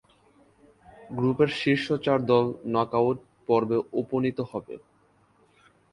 গ্রুপের শীর্ষ চার দল নক-আউট পর্বে উপনীত হবে।